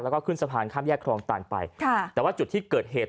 แล้วก็ขึ้นสะพานข้ามแยกครองตันไปค่ะแต่ว่าจุดที่เกิดเหตุ